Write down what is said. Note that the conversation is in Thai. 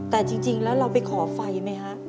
แต่จริงแล้วเราไปขอไฟไหมฮะ